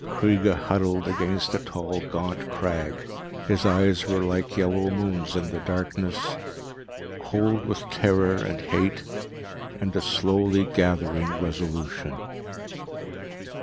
Kreega huddled against a tall gaunt crag. His eyes were like yellow moons in the darkness, cold with terror and hate and a slowly gathering resolution.